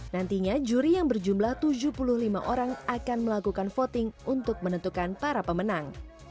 nantinya juri yang berjumlah tujuh puluh lima orang akan melakukan voting untuk menentukan para pemenang